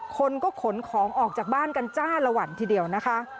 คนก็ขนของออกจากบ้านกันจ้าละวันทีเดียวนะคะ